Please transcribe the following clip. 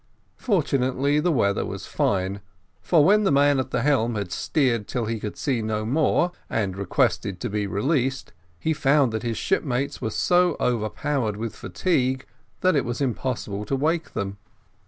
Fortunately, the weather was fine, for when the man at the helm had steered till he could see no more, and requested to be released, he found that his shipmates were so overpowered with fatigue, that it was impossible to wake them.